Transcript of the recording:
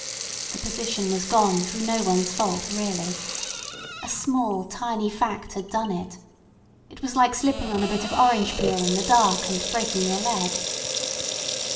The position was gone through no one's fault really. A small, tiny fact had done it. It was like slipping on a bit of orange peel in the dark and breaking your leg.